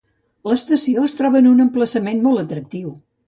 L"estació es troba a un emplaçament molt atractiu.